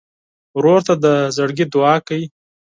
ورور ته د زړګي دعاء کوې.